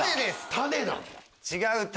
「種」なんだ。